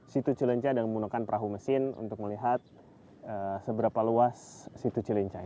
situ cilenca dan menggunakan perahu mesin untuk melihat seberapa luas situ cilenca ini